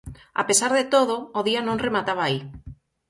A pesar de todo, o día non remataba aí.